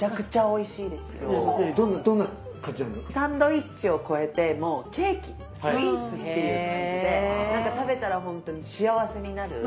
サンドイッチを超えてもうケーキスイーツっていう感じで食べたら本当に幸せになる。